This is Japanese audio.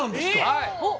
はい。